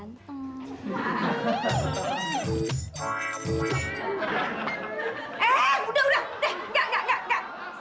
eh udah udah deh enggak enggak enggak enggak